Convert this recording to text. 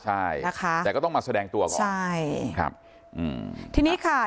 ใช่นะคะแต่ก็ต้องมาแสดงตัวก่อนใช่ครับอืมทีนี้ค่ะ